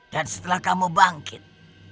dan setelah kamu bangkit